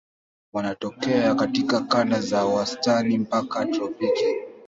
Wanatokea katika kanda za wastani mpaka tropiki.